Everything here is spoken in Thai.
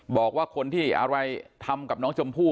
บอกว่าคนที่อะไรทำกับน้องชมพู่